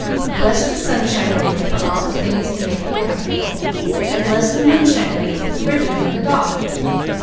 'Bless the Sunshine Lady for all the things to make me comfortable, and bless the Moonshine Lady for the ribbons and the doll.'"